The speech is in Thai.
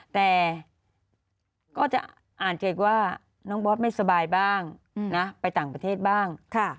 แต่ก็จะอ่านจากว่าน้องบอสไม่สบายบ้างนะไปต่างประเทศบ้าง